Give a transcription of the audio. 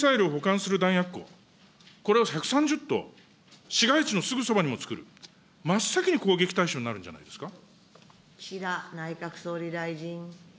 長射程ミサイルを保管する弾薬庫、これを１３０棟、市街地のすぐそばにもつくる、真っ先に攻撃対象になるんじゃないですか。